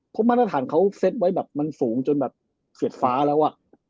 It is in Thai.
เพราะมาตรฐานเขาเซตไว้สูงจนเสียฟ้าแล้ว